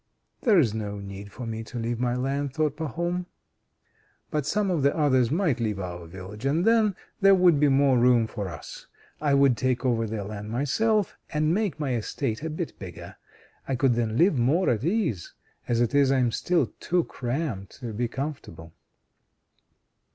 "There's no need for me to leave my land," thought Pahom. "But some of the others might leave our village, and then there would be more room for us. I would take over their land myself, and make my estate a bit bigger. I could then live more at ease. As it is, I am still too cramped to be comfortable."